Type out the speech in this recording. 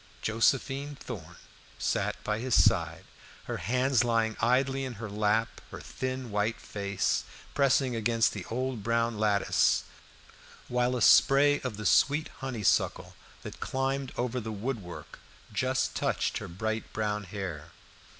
Josephine Thorn sat by his side, her hands lying idly in her lap, her thin white face pressing against the old brown lattice, while a spray of the sweet honeysuckle that climbed over the wood work just touched her bright brown hair.